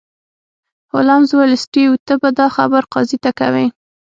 هولمز وویل سټیو ته به دا خبره قاضي ته کوې